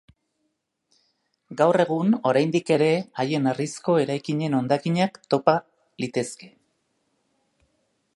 Gaur egun oraindik ere haien harrizko eraikinen hondakinak topa litezke.